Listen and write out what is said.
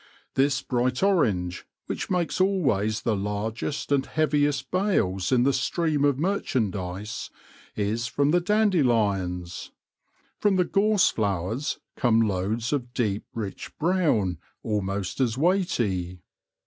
This bright orange, which makes always the largest and heaviest bales in the stream of merchandise, is from the dandelions. From the gorse flowers come loads of deep rich brown almost as weighty.